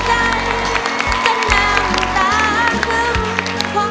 จะนั่งตาขึ้น